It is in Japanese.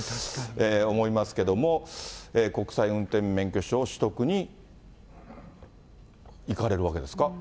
思いますけども、国際運転免許証取得に行かれるわけですか。